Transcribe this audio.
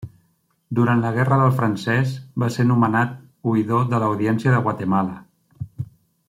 Durant la Guerra del francès va ser nomenat oïdor de l'Audiència de Guatemala.